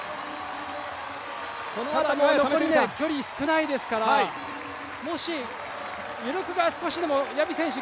残りの距離少ないですからもし余力が少し、ヤビ選手